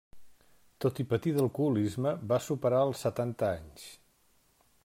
Tot i patir d'alcoholisme, va superar els setanta anys.